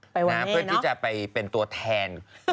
เพื่อที่จะไปเป็นตัวแทน